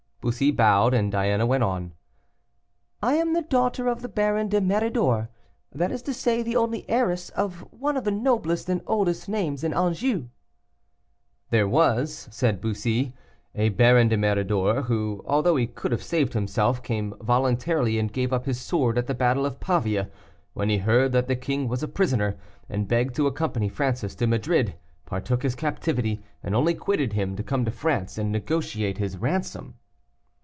Bussy bowed, and Diana went on. "I am the daughter of the Baron de Méridor that is to say, the only heiress of one of the noblest and oldest names in Anjou." "There was," said Bussy, "a Baron de Méridor, who, although he could have saved himself, came voluntarily and gave up his sword at the battle of Pavia, when he heard that the king was a prisoner, and begged to accompany Francis to Madrid, partook his captivity, and only quitted him to come to France and negotiate his ransom."